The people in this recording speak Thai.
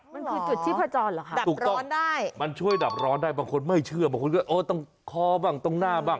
มันคือจุดชีพจรเหรอคะดับถูกต้องได้มันช่วยดับร้อนได้บางคนไม่เชื่อบางคนก็โอ้ตรงคอบ้างตรงหน้าบ้าง